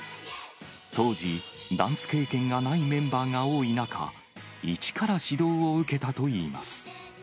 当時、ダンス経験がないメンバーが多い中、一から指導を受けたといいます。